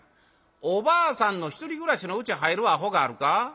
おばあさんのひとり暮らしのうち入るアホがあるか？」。